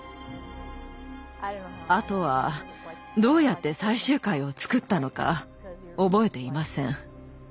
あとはどうやって最終回を作ったのか覚えていません。